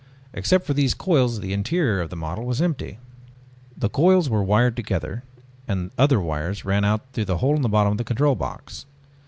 Except for these coils the interior of the model was empty. The coils were wired together and other wires ran out through the hole in the bottom of the control box.